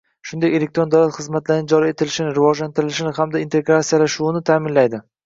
shuningdek elektron davlat xizmatlarining joriy etilishini, rivojlantirilishini hamda integratsiyalashuvini ta’minlaydi;